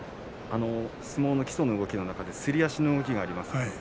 相撲の基礎の動きの中ですり足の動きがあります。